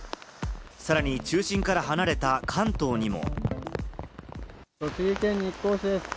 さらに中心から離れた関東にも。